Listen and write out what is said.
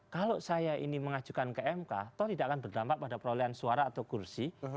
kalau saya ini mengajukan ke mk toh tidak akan berdampak pada perolehan suara atau kursi